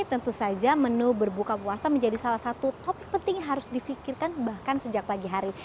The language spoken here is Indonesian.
tentu saja menu berbuka puasa menjadi salah satu topik penting harus difikirkan bahkan sejak pagi hari